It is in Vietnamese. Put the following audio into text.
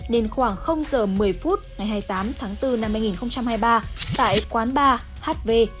đến khoảng h một mươi phút ngày hai mươi tám tháng bốn năm hai nghìn hai mươi ba tại quán ba hv